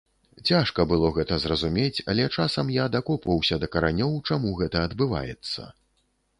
Цяжка было гэта зразумець, але часам я дакопваўся да каранёў, чаму гэта адбываецца.